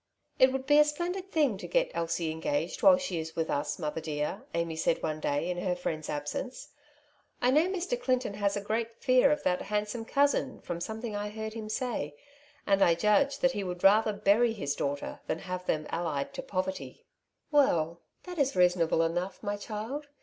'' It would be a splendid thing to get Elsie engaged while she is with us, mother dear/* Amy said one day in her friend's absence. ''I know Mr. Clinton has a great fear of that handsome cousin, from something I heard him say, and I judge that he would rather bury his daughter than have them allied to poverty/' io6 " Two Sides to every Question!^ '^ Well, that is reasonable enough, my child.